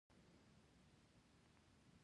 چالاک او زړه ور سړی وي.